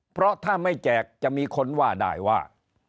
เพราะถ้าไม่แจกจะมีคนว่าได้ว่า